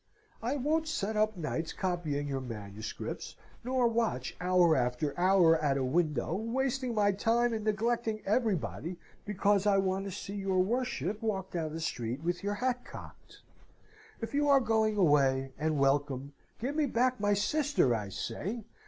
I won't set up of nights copying your manuscripts, nor watch hour after hour at a window wasting my time and neglecting everybody because I want to see your worship walk down the street with your hat cocked! If you are going away, and welcome, give me back my sister, I say!